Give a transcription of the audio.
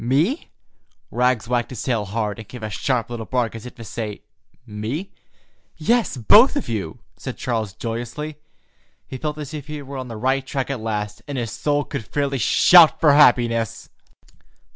"Me?" Rags wagged his tail hard, and gave a sharp little bark, as if to say: "Me?" "Yes, both of you," said Charles joyously. He felt as if he were on the right track at last, and his soul could fairly shout for happiness.